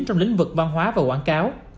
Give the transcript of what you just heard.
trong lĩnh vực văn hóa và quảng cáo